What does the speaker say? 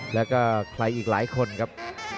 แล้วก็ใครอีกหลายคนครับ